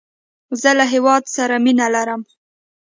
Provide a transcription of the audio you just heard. زه له هیواد سره مینه لرم